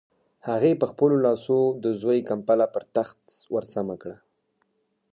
هغې په خپلو لاسو د زوی کمپله پر تخت ورسمه کړه.